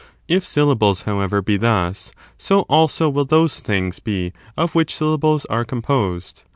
If syllables, however, be thus, so also will those things be of which syllables are composed.